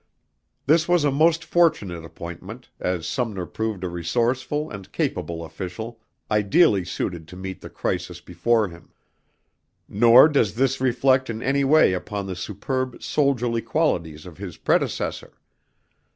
This was a most fortunate appointment, as Sumner proved a resourceful and capable official, ideally suited to meet the crisis before him. Nor does this reflect in any way upon the superb soldierly qualities of his predecessor.